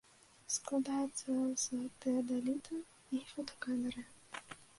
Складаецца з тэадаліта і фотакамеры.